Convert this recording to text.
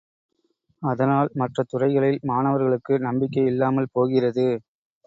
அதனால் மற்ற துறைகளில் மாணவர்களுக்கு நம்பிக்கை இல்லாமல் போகிறது.